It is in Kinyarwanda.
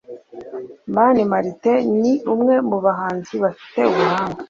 Mani Martin ni umwe mu bahanzi bafite ubuhanga